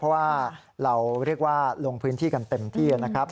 เพราะว่าเราเรียกว่าลงพื้นที่กันเต็มที่นะครับ